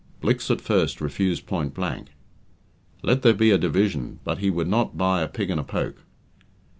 Blicks at first refused point blank. Let there be a division, but he would not buy a pig in a poke.